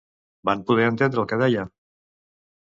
Van poder entendre el que deia?